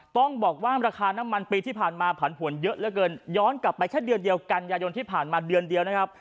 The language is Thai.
ต้องบอกว่าราคาน้ำมันปีที่ผ่านมาผันผวนเยอะเหลือเกินย้อนกลับไปแค่เดือนเดียวกันยายนที่ผ่านมาเดือนเดียวนะครับ